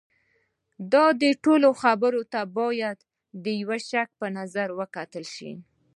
د ده ټولو خبرو ته باید د شک په نظر وکتل شي.